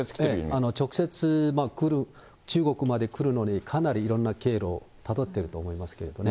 直接来る、中国までくるのに、かなりいろんな経路をたどってると思いますけどね。